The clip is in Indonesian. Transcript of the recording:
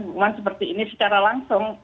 hubungan seperti ini secara langsung